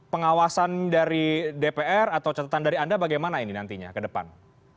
pengawasan dari dpr atau catatan dari anda bagaimana ini nantinya ke depan